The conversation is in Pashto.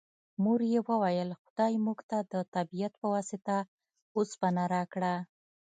مور یې وویل خدای موږ ته د طبیعت په واسطه اوسپنه راکړه